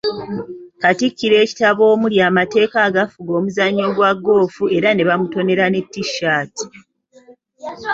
Katikkiro ekitabo omuli amateeka agafuga omuzannyo gwa golf era ne bamutonera T-shirt.